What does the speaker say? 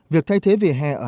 việc thay thế vỉa hè ở hà nội